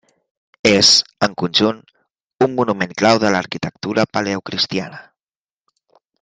És, en conjunt, un monument clau de l'arquitectura paleocristiana.